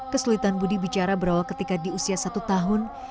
kesulitan budi bicara berawal ketika di usia satu tahun